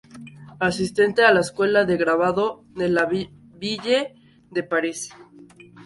Asiste a la Escuela de Grabado de La Ville de Paris.